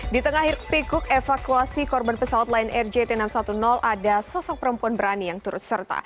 di tengah hiruk pikuk evakuasi korban pesawat lain rjt enam ratus sepuluh ada sosok perempuan berani yang turut serta